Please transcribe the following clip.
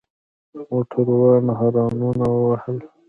موټروان هارنونه وهل.